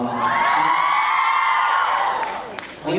อ๋อชิชิ่น